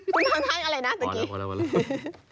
คุณทำท่าอะไรนะเมื่อกี้